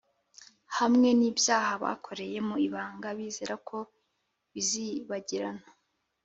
hamwe n’ibyaha bakoreye mu ibanga bizera ko bizibagirana;